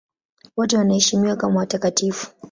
Wote wanaheshimiwa kama watakatifu.